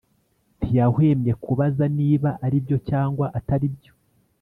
ntiyahwemye kubaza niba aribyo cyangwa atari byo